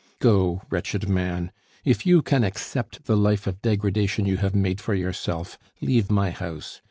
"Go, wretched man; if you can accept the life of degradation you have made for yourself, leave my house!